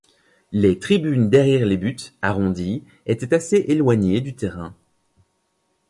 Les tribunes derrière les buts, arrondies, étaient assez éloignées du terrain.